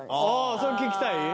それ聞きたい？